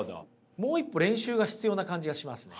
もう一歩練習が必要な感じがしますね。